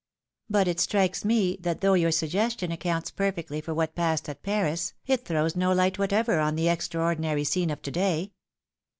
But it strikes me that though your suggestion accounts perfectly for what passed at Paris, it throws no light whatever on the extraordinary scene of to day.